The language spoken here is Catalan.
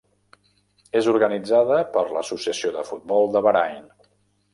És organitzada per l'Associació de Futbol de Bahrain.